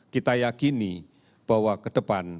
kita yakini bahwa ke depan